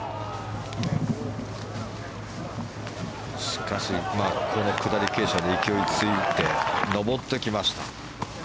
しかしこのくだり傾斜で勢いついて上ってきました。